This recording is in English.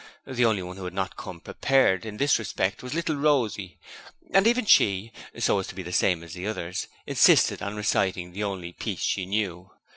The only one who had not come prepared in this respect was little Rosie, and even she so as to be the same as the others insisted on reciting the only piece she knew.